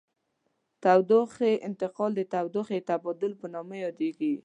تودوخې انتقال د تودوخې د تبادل په نامه یادیږي.